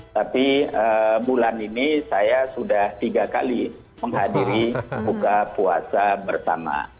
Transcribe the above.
tapi bulan ini saya sudah tiga kali menghadiri buka puasa bersama